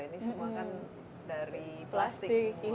ini semua kan dari plastik